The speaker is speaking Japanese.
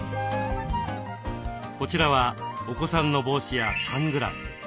こちらはお子さんの帽子やサングラス。